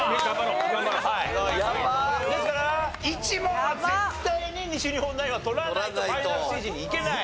ですから１問は絶対に西日本ナインは取らないとファイナルステージに行けない。